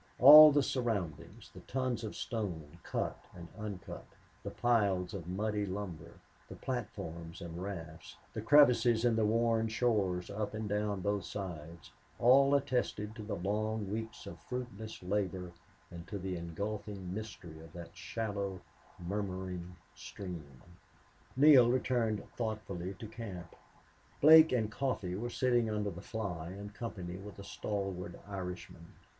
All the surroundings the tons of stone, cut and uncut, the piles of muddy lumber, the platforms and rafts, the crevices in the worn shores up and down both sides all attested to the long weeks of fruitless labor and to the engulfing mystery of that shallow, murmuring stream. Neale returned thoughtfully to camp. Blake and Coffee were sitting under the fly in company with a stalwart Irishman.